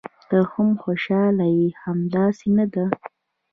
ته هم خوشاله یې، همداسې نه ده؟